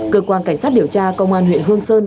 cơ quan cảnh sát điều tra công an huyện hương sơn